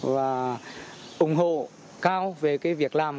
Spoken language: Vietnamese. và ủng hộ cao về việc làm